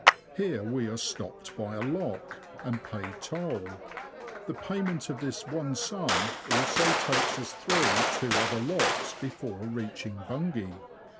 Here we are stopped by a lock, and pay toll ; the payment of this YARMOUTH TO LOWESTOFT. 45 one sum also takes us through two other locks before reaching Bungay.